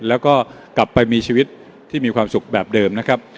แล้วก็กลับไปมีชีวิตที่มีความสุขแบบเดิมนะครับ